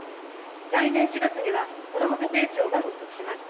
来年４月には、こども家庭庁が発足します。